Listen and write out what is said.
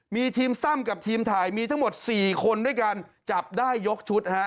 มีทีมซ่ำกับทีมถ่ายมีทั้งหมด๔คนด้วยกันจับได้ยกชุดฮะ